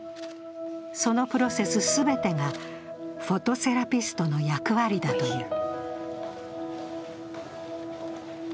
そのプロセス全てがフォトセラピストの役割だという。